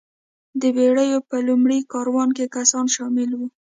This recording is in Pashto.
د بېړیو په لومړي کاروان کې کسان شامل وو.